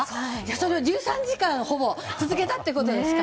それを１３時間続けたということですか。